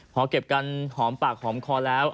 พอเก็บกันหอมปากหอมคอแล้ว